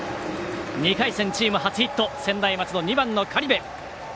２回戦チーム初ヒット専大松戸２番の苅部。